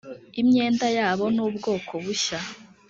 imyenda yabo nubwoko bushya.